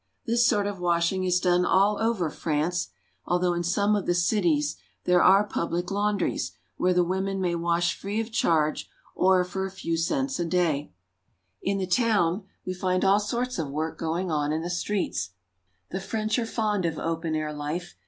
This sort of washing is done all over France, although in some of the cities there are public laundries where the women may wash free of charge or for a few cents a day. RURAL FRANCE. 93 In the town we find all sorts of work going on in the streets. The French are fond of open air life.